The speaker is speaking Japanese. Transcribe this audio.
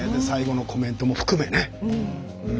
最後のコメントも含めてね。